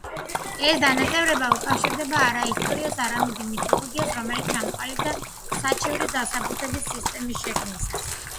ეს დანაწევრება უკავშირდება არა ისტორიას, არამედ იმ მითოლოგიას, რომელიც ჩამოყალიბდა საჩივრის დასაბუთების სისტემის შექმნისას.